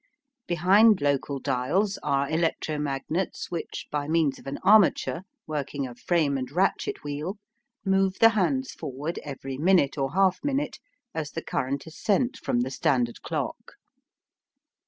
Behind local dials are electromagnets which, by means of an armature working a frame and ratchet wheel, move the hands forward every minute or half minute as the current is sent from the standard clock.